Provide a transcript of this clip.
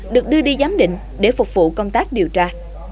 được đưa đi giám định để phục vụ công tác điều tra